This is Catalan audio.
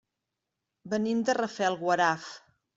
Venim de Rafelguaraf.